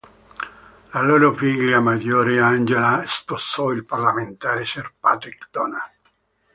La loro figlia maggiore, Angela sposò il parlamentare "Sir Patrick Donner.